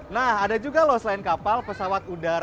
nah ada juga loh selain kapal pesawat udara